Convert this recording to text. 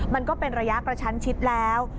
มันก็เป็นระยะกระชั้นชิดแล้ว